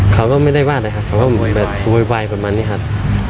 เขาก็ไม่ได้ว่าอะไรครับเขาก็แบบโวยวายประมาณนี้ครับ